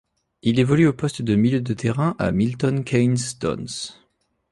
Il évolue au poste de milieu de terrain à Milton Keynes Dons.